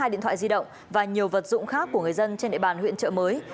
hai điện thoại di động và nhiều vật dụng khác của người dân trên địa bàn huyện trợ mới